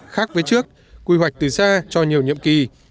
khác với trước quy hoạch từ xa cho nhiều nhiệm kỳ